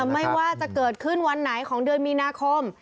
ไม่ว่าจะเกิดขึ้นวันไหนของเดือนมีนาคม